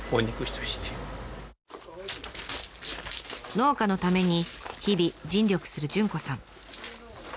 農家のために日々尽力する潤子さん。